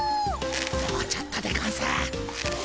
もうちょっとでゴンス。